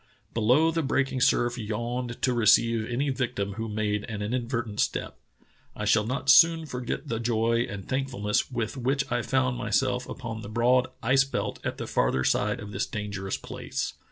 Below the breaking surf yawned to receive any victim who made an inadvertent step. I shall not soon forget the joy and thankfulness with which I found myself upon the broad ice belt at the farther side of this dangerous place.